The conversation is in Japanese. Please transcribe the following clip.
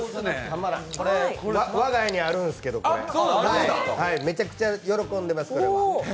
我が家にあるんですけど、めちゃくちゃ喜んでます。